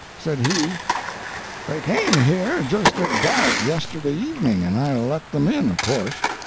Said he: "They came here just at dark yesterday evening, and I let them in of course.